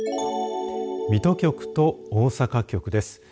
水戸局と大阪局です。